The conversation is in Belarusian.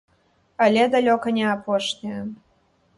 Але далёка не апошняе.